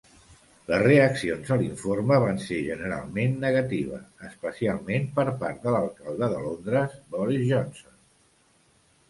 Les reaccions a l'informe van ser generalment negativa, especialment per part de l'alcalde de Londres, Boris Johnson.